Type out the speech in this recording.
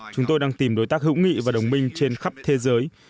chúng tôi đang tìm đối tác hữu nghị và đồng minh trên khắp thế giới